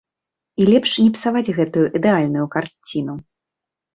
І лепш не псаваць гэтую ідэальную карціну.